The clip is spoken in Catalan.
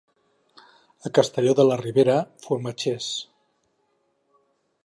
A Castelló de la Ribera, formatgers.